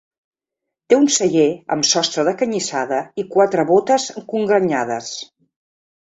Té un celler amb sostre de canyissada i quatre bótes congrenyades.